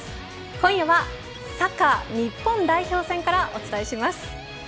今夜はサッカー日本代表戦からお伝えします。